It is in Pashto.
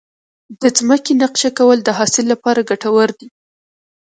د ځمکې نقشه کول د حاصل لپاره ګټور دي.